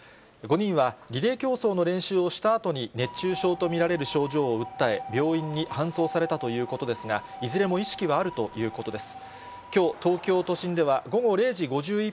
５人はリレー競争の練習をしたあとに、熱中症と見られる症状を訴え、病院に搬送されたということですが、いずれも意識はあるということです。